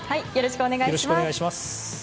よろしくお願いします。